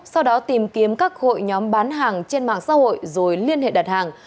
sau đó tìm kiếm các hội nhóm bán hàng trên mạng xã hội rồi liên hệ đặt hàng